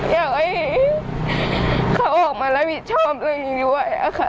อยากให้เขาออกมารับผิดชอบเรื่องนี้ด้วยค่ะ